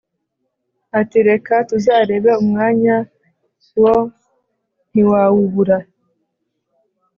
ati"reka tuzarebe umwanya wo ntiwawubura"